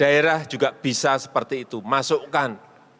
daerah juga bisa seperti itu masukkan